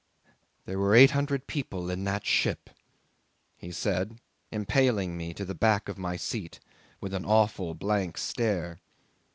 "There were eight hundred people in that ship," he said, impaling me to the back of my seat with an awful blank stare.